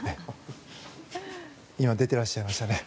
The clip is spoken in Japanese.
今、出てらっしゃいますよね。